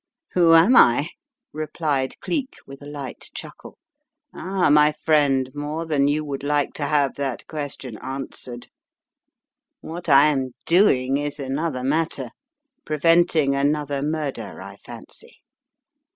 Who am I?" replied Cleek, with a light chuckle. Ah, my friend, more than you would like to have that question answered. What I am doing is another matter — preventing another murder, I fancy.